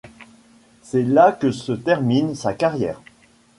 C'est là que se termine sa carrière.